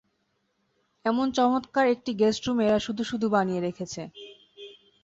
এমন চমৎকার একটি গেষ্টরুম এরা শুধু-শুধু বানিয়ে রেখেছে।